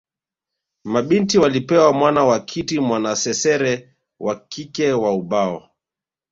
Mabinti walipewa mwana wa kiti mwanasesere wa kike wa ubao